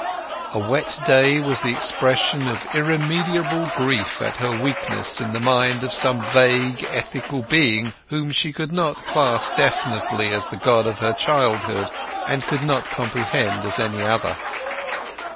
A wet day was the expression of irremediable grief at her weakness in the mind of some vague ethical being whom she could not class definitely as the God of her childhood, and could not comprehend as any other.